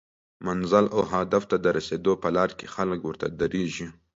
منزل او هدف ته د رسیدو په لار کې خلک ورته دریږي